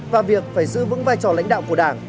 và việc phải giữ vững vai trò lãnh đạo của đảng